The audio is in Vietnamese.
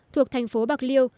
thuộc thành phố bạc liêu